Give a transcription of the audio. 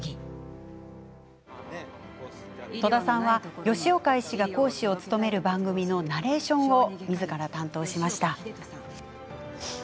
戸田さんは、吉岡医師が講師を務める番組のナレーションをみずから担当しました。